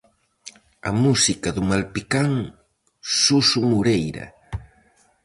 A música do malpicán Suso Moreira.